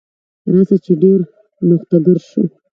راځه چې ډیر نوښتګر شو.